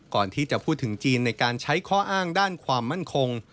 ก่อนที่จะพูดถึงจีนในการใช้ข้ออ้างด้านความมั่นคง